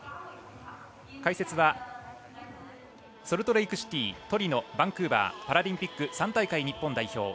解説はソルトレークシティートリノバンクーバーパラリンピック３大会日本代表